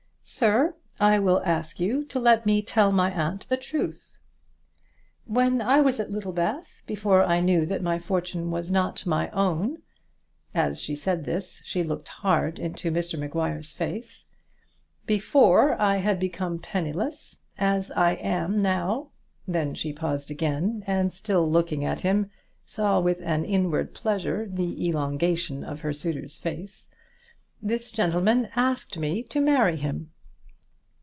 "Sir, I will ask you to let me tell my aunt the truth. When I was at Littlebath, before I knew that my fortune was not my own," as she said this she looked hard into Mr Maguire's face "before I had become penniless, as I am now," then she paused again, and still looking at him, saw with inward pleasure the elongation of her suitor's face, "this gentleman asked me to marry him."